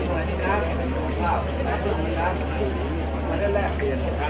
เมืองอัศวินธรรมดาคือสถานที่สุดท้ายของเมืองอัศวินธรรมดา